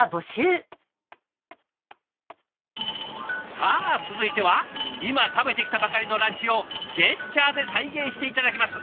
さあ続いては今食べてきたばかりのランチをジェスチャーで再現して頂きます。